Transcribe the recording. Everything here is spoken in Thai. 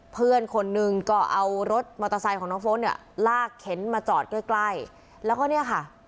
เพื่อนคนหนึ่งก็เอารถมอเตอร์ไซค์ของน้องโฟสเนี่ยลากเข็นมาจอดใกล้ใกล้แล้วก็เนี่ยค่ะ